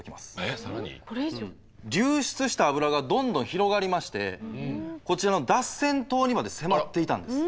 流出した油がどんどん広がりましてこちらのダッセン島にまで迫っていたんです。